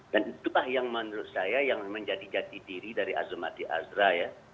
dan itulah yang menurut saya yang menjadi jati diri dari azumati andra ya